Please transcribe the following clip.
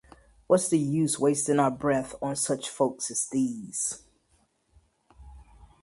What's the use wasting our breath on such folks as these?